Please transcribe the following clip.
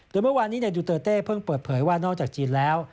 โดยเมื่อวานนี้ในดูเตอร์เต้เพิ่งเปิดเผยว่านอกจากจีนแล้ว